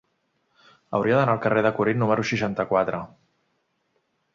Hauria d'anar al carrer de Corint número seixanta-quatre.